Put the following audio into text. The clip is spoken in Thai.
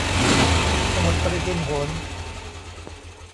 สมุดปฏิทินโหร